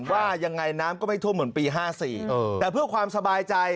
ว่ายังไงน้ำก็ไม่ท่วมเหมือนปี๕๔แต่เพื่อความสบายใจ